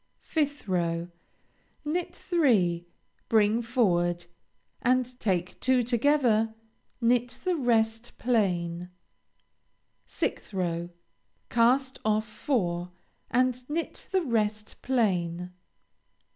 5th row Knit three, bring forward, and take two together, knit the rest plain. 6th row Cast off four, and knit the rest plain.